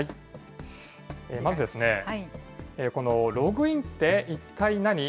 まず、このログインって一体何？